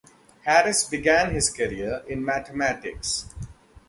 Harris began his career in mathematics.